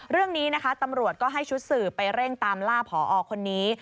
เรื่องนี้นะคะตำรวจก็ให้ชุดสืบไปเร่งตามล่าผอคนนี้